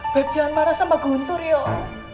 baik jangan marah sama guntur yuk